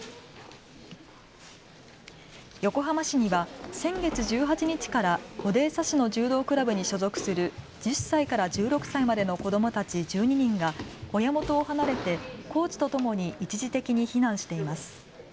横浜市には先月１８日からオデーサ市の柔道クラブに所属する１０歳から１６歳までの子どもたち１２人が親元を離れてコーチとともに一時的に避難しています。